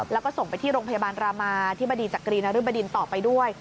แล้วก็ส่งไปที่โรงพยาบาลรามาธิบดีจักรีนริบดินต่อไปด้วย